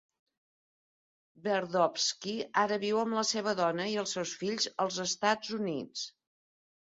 Tverdovsky ara viu amb la seva dona i els seus fills als Estats Units.